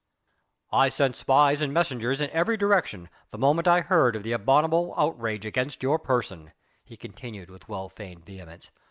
"I sent spies and messengers in every direction the moment I heard of the abominable outrage against your person," he continued with well feigned vehemence.